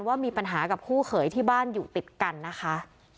ว่ามีปัญหากับคู่เขยที่บ้านอยู่ติดกันนะคะ